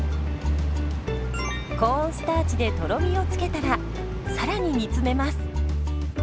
コーンスターチでとろみを付けたらさらに煮詰めます。